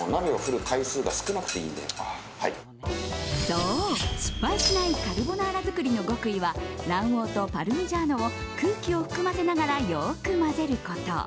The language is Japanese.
そう、失敗しないカルボナーラ作りの極意は卵黄とパルミジャーノを空気を含ませながらよく混ぜること。